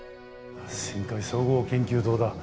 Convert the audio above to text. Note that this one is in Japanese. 深海総合研究棟だ。